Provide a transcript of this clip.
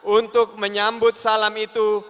untuk menyambut salam itu